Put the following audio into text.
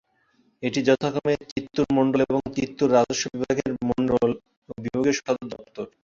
এটি যথাক্রমে চিত্তুর মণ্ডল এবং চিত্তুর রাজস্ব বিভাগের মন্ডল ও বিভাগীয় সদর দপ্তর।